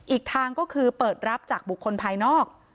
อีกทางก็คือเปิดรับจากบุคคลภายนอก